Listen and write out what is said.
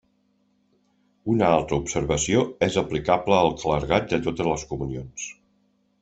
Una altra observació és aplicable al clergat de totes les comunions.